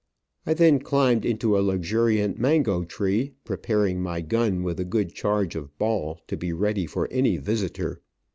I then climbed into a luxuriant mango tree, preparing my gun with a good charge of ball to be ready for any visitor.